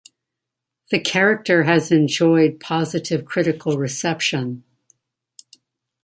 The character has enjoyed positive critical reception.